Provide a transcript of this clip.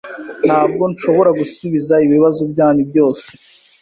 Ntabwo nshobora gusubiza ibibazo byanyu byose.